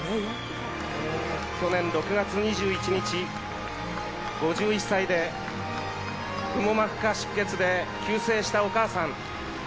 去年６月２１日、５１歳でくも膜下出血で急逝したお母さん。